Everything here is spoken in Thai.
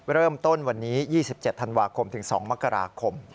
เริ่มต้นวันนี้๒๗ธันวาคมถึง๒มกราคม